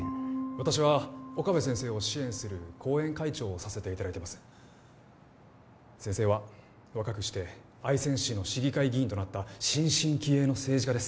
私は岡部先生を支援する後援会長をさせていただいてます先生は若くして愛仙市の市議会議員となった新進気鋭の政治家です